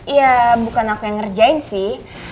ya bukan aku yang ngerjain sih